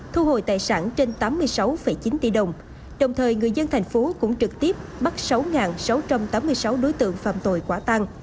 thu hồi tài sản trên tám mươi sáu chín tỷ đồng đồng thời người dân thành phố cũng trực tiếp bắt sáu sáu trăm tám mươi sáu đối tượng phạm tội quả tăng